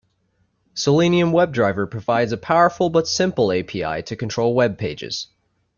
Selenium WebDriver provides a powerful but simple API to control webpages.